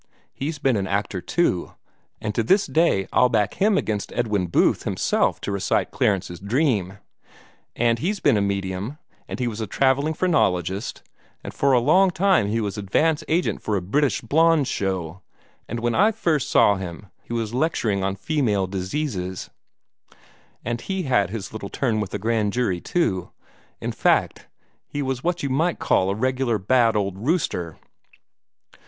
He's been an actor, too, and to this day I'd back him against Edwin Booth himself to recite 'Clarence's Dream.' And he's been a medium, and then he was a travelling phrenologist, and for a long time he was advance agent for a British Blondes show, and when I first saw him he was lecturing on female diseases and he had HIS little turn with a grand jury too. In fact, he was what you may call a regular bad old rooster."